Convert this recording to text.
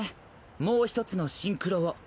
もうひとつのシンクロを。